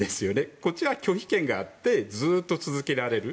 こっちは拒否権があってずっと続けられる。